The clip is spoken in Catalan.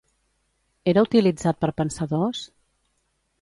Era utilitzat per pensadors?